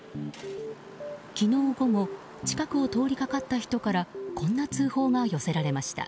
昨日午後近くを通りかかった人からこんな通報が寄せられました。